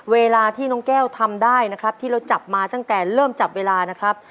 เวลาที่น้องแก้วทำได้ที่เราจับมาตั้งแต่เริ่มจับเวลา